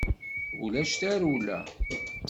Ulac tarewla.